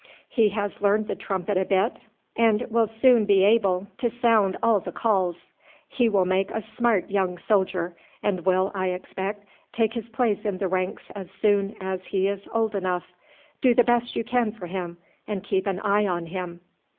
He has learned the trumpet a bit, and will soon be able to sound all the calls. He will make a smart young soldier, and will, I expect, take his place in the ranks as soon as he is old enough. Do the best you can for him, and keep an eye on him."